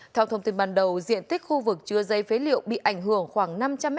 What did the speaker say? theo thông tin ban đầu diện tích khu vực chứa dây phế liệu bị ảnh hưởng khoảng năm trăm linh m hai